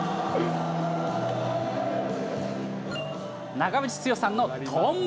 長渕剛さんのとんぼ。